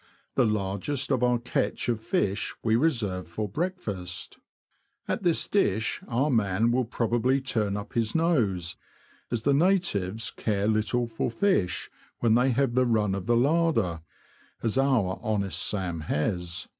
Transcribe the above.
The largest of our catch of fish we reserve for breakfast ; at this dish our man will probably turn up his nose, as the natives care little for fish when they have the run of the larder — as our honest Sam has.